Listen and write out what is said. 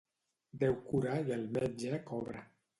Déu cura i el metge cobra.